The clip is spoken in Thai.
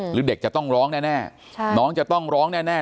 หรือเด็กจะต้องร้องแน่น้องจะต้องร้องแน่